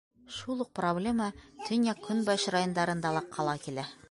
Шул уҡ проблема төньяҡ-көнбайыш райондарында ла ҡала килә.